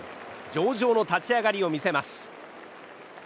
上々の立ち上がりを見せます。